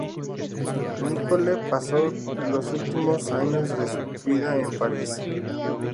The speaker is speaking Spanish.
Nicole paso los últimos años de su vida en París.